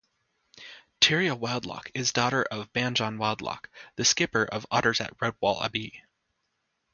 Tiria Wildlough is daughter of Banjon Wildlough, the Skipper of Otters at Redwall Abbey.